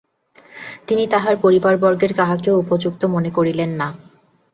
তিনি তাঁহার পরিবারবর্গের কাহাকেও উপযুক্ত মনে করিলেন না।